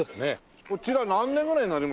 こちら何年ぐらいになります？